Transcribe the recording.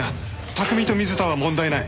拓海と水田は問題ない。